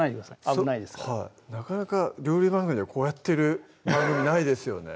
危ないですからなかなか料理番組でこうやってる番組ないですよね